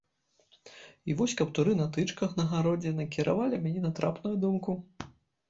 І вось каптуры на тычках на гародзе накіравалі мяне на трапную думку.